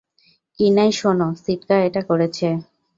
কিনাই, শোনো, সিটকা এটা করেছে।